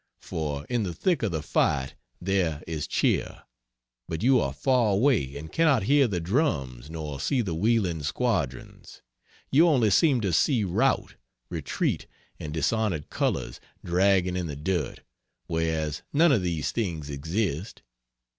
For in the thick of the fight there is cheer, but you are far away and cannot hear the drums nor see the wheeling squadrons. You only seem to see rout, retreat, and dishonored colors dragging in the dirt whereas none of these things exist.